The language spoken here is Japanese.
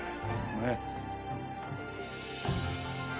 ねっ。